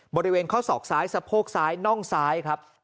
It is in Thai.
บริเวณข้อศอกซ้ายสะโพกซ้ายน่องซ้ายครับ